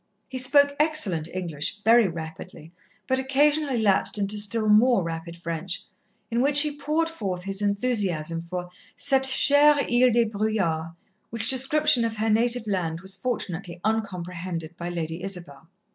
He spoke excellent English, very rapidly, but occasionally lapsed into still more rapid French, in which he poured forth his enthusiasm for "cette chère île des brouillards," which description of her native land was fortunately uncomprehended by Lady Isabel.